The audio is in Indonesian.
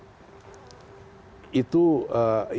itu yang sudah pasti